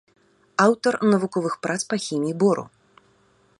Аўтар навуковых прац па хіміі бору.